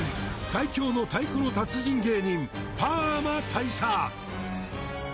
最強の太鼓の達人芸人パーマ大佐